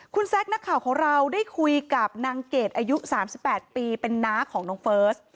คุณแซคนักข่าวของเราได้คุยกับนางเกดอายุ๓๘ปีเป็นน้าของน้องเฟิร์ส